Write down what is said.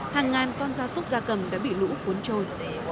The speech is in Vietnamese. hàng ngàn con da súc da cần đã bị lũ cuốn trôi